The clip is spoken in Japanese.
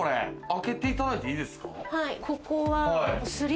開けていただいていいですか？